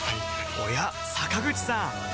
おや坂口さん